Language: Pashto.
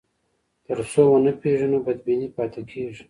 تر څو ونه پېژنو، بدبیني پاتې کېږي.